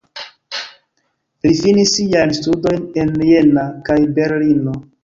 Li finis siajn studojn en Jena kaj Berlino.